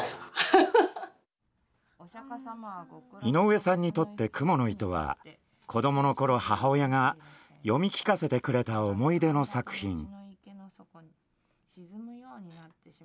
井上さんにとって「蜘蛛の糸」は子どもの頃母親が読み聞かせてくれた思い出の作品。